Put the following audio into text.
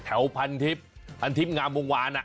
แถวพันธิบพันธิบงามวงวาน